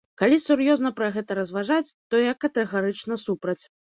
Калі сур'ёзна пра гэта разважаць, то я катэгарычна супраць.